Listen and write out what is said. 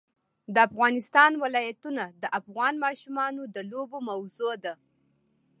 د افغانستان ولايتونه د افغان ماشومانو د لوبو موضوع ده.